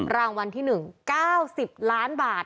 รางวัลที่๑๙๐ล้านบาท